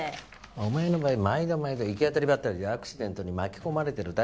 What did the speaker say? お前の場合毎度毎度行き当たりばったりでアクシデントに巻き込まれてるだけだろ。